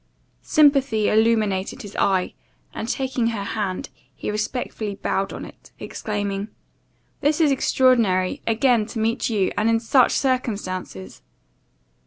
Sympathy illuminated his eye, and, taking her hand, he respectfully bowed on it, exclaiming "This is extraordinary! again to meet you, and in such circumstances!"